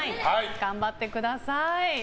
頑張ってください。